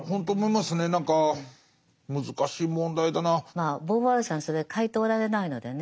まあボーヴォワールさんそれ書いておられないのでね。